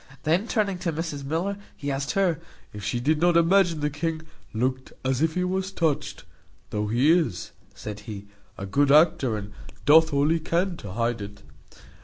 Then turning to Mrs Miller, he asked her, "If she did not imagine the king looked as if he was touched; though he is," said he, "a good actor, and doth all he can to hide it.